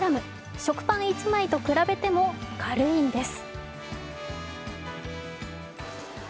食パン１枚と比べても軽いんです。